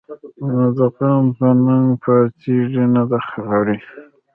نه دقام په ننګ پا څيږي نه دخاوري